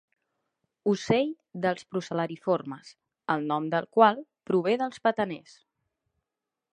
Ocell dels procel·lariformes el nom del qual prové dels petaners.